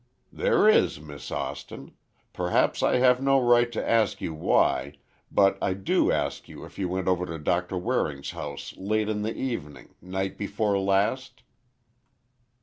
"There is, Miss Austin. Perhaps I have no right to ask you why—but I do ask you if you went over to Doctor Waring's house, late in the evening—night before last?"